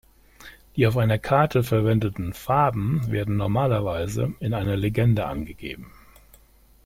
Die auf einer Karte verwendeten Farben werden normalerweise in einer Legende angegeben.